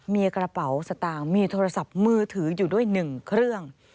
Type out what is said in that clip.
มีกระเป๋าสตางค์มีโทรศัพท์มือถืออยู่ด้วย๑เครื่อง